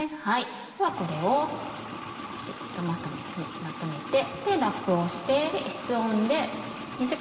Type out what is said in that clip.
ではこれを少しひとまとめにまとめてラップをして。